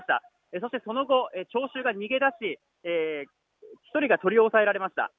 そしてその後、岸田総理大臣は逃げ出し１人、取り押さえられました。